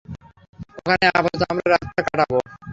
ওখানে আপাতত আমরা রাতটা কাটাব!